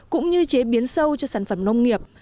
cũng như chế biến sâu cho sản phẩm nông nghiệp